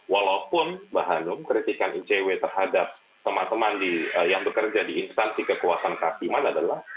walaupun mbak hanum kritikan icw terhadap teman teman yang bekerja di instansi kekuasaan kehakiman adalah